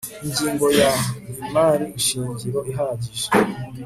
ingingo ya imari shingiro ihagije